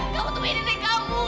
kamu tuh piringin kamu